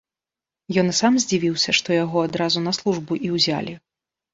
Ён і сам здзівіўся, што яго адразу на службу і ўзялі.